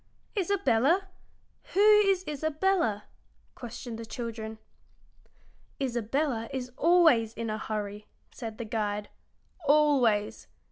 "Isabella! Who is Isabella?" questioned the children. "Isabella is always in a hurry," said the guide "always.